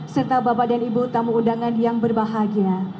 serta bapak dan ibu tamu undangan yang berbahagia